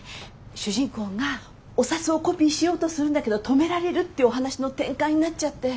主人公がお札をコピーしようとするんだけど止められるっていうお話の展開になっちゃって。